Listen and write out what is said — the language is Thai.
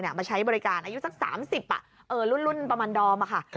มาใช้บริการอายุสัก๓๐รุ่นประมาณดอมค่ะ